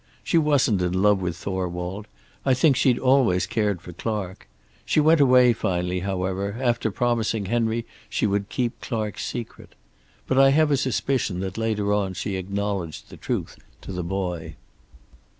She wasn't in love with Thorwald. I think she'd always cared for Clark. She went away finally, however, after promising Henry she would keep Clark's secret. But I have a suspicion that later on she acknowledged the truth to the boy.